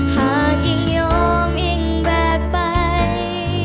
หากยังยอมยังแบกไป